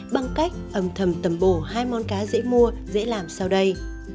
bằng cách ẩm thầm tầm bổ hai món cá dễ mua dễ làm sau đây